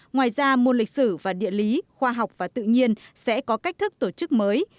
ngoài ra môn lịch sử và địa lý khoa học và tự nhiên sẽ có cách thức tổ chức mới